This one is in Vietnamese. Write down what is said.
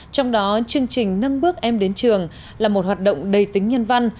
trong đó chương trình nâng bước em đến trường là một hoạt động đầy tính nhân văn